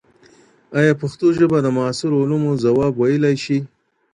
آیا پښتو ژبه د معاصرو علومو ځواب ويلای سي؟